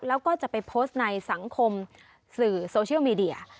แล้วก็จะไปโพสต์ในสังคมสื่อโซเชียลมีเดีย